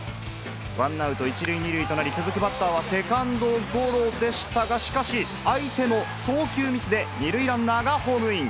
ワンアウト１塁２塁となり、続くバッターはセカンドゴロでしたが、しかし、相手の送球ミスで２塁ランナーがホームイン。